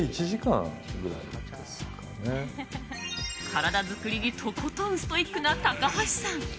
体作りにとことんストイックな高橋さん。